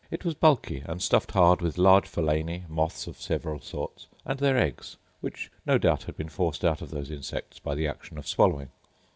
It was bulky, and stuffed hard with large phalaenae, moths of several sorts, and their eggs, which no doubt had been forced out of those insects by the action of swallowing.